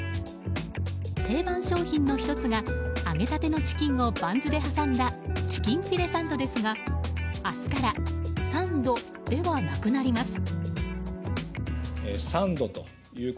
定番商品の１つが揚げたてのチキンをバンズで挟んだチキンフィレサンドですが明日からサンドではなくなります。